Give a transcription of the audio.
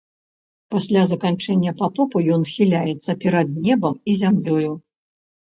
Пасля заканчэння патопу ён схіляецца перад небам і зямлёю.